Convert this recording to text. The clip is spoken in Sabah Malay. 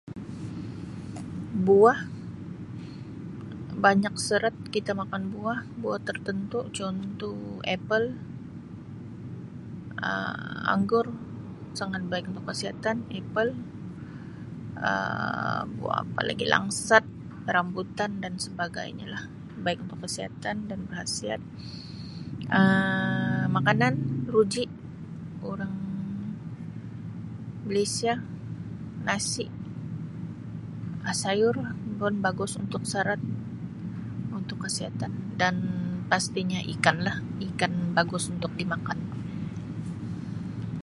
Buah banyak serat kita makan buah buah tertentu contoh Epal, Um Anggur sangat baik untuk kesihatan Epal Um buah apa lagi Langsat, Rambutan dan sebagainya lah baik untuk kesihatan dan berkhasiat Um makanan ruji orang Malaysia nasi sayur pun bagus untuk serat untuk kesihatan dan pastinya ikan lah ikan bagus untuk dimakan.